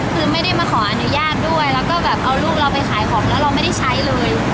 คือไม่ได้มาขออนุญาตด้วยแล้วก็แบบเอาลูกเราไปขายของแล้วเราไม่ได้ใช้เลย